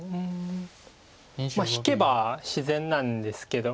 まあ引けば自然なんですけど。